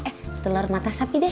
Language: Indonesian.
eh telur mata sapi deh